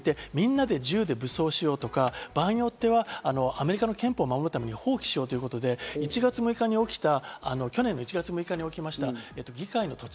過激になっていて、みんなで銃で武装しようとか、場合によってはアメリカの憲法を守るために武装放棄しようということで去年の１月６日に起きました。